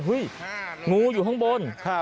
หุ้ยงูอยู่ข้างบน